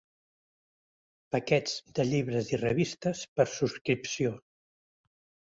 Paquets de llibres i revistes per subscripció.